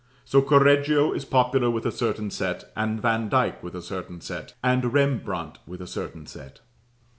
So Correggio is popular with a certain set, and Vandyke with a certain set, and Rembrandt with a certain set.